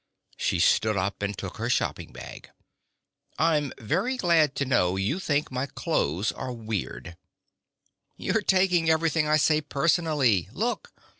She stood up and took her shopping bag. "I'm very glad to know you think my clothes are weird " "You're taking everything I say personally. Look."